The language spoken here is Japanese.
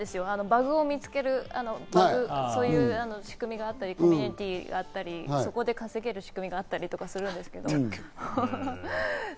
バグを見つける仕組みがあったり、コミュニティーがあったり、そこで稼げる仕組みがあったりするんですよ。